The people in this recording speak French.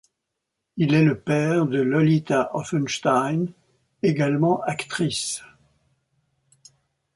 Il est le père de Lolita Offenstein, également actrice.